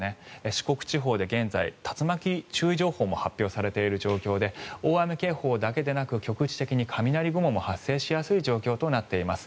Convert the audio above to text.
四国地方で現在、竜巻注意情報も発表されている状況で大雨警報だけでなく局地的に雷雲も発生しやすい状況となっています。